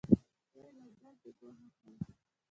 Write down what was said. دی یې له دندې ګوښه کړ.